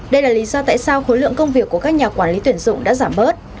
đây là lý do tại sao khối lượng công việc của các nhà quản lý tuyển dụng đã giảm bớt